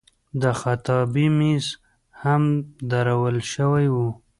د خطابې میز هم درول شوی و.